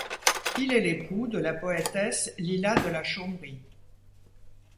Il est l'époux de la poétesse Lila de la Chaumerie.